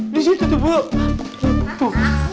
di situ tuh bu